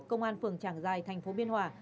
công an phường tràng giài thành phố biên hòa